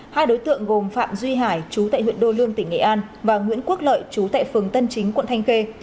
hai đối tượng gồm phạm duy hải chú tại huyện đô lương tỉnh nghệ an và nguyễn quốc lợi chú tại phường tân chính quận thanh khê